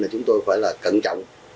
thì chúng tôi phải là cẩn trọng